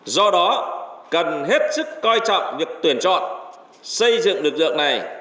do đó cần hết sức coi trọng việc tuyển chọn xây dựng lực lượng này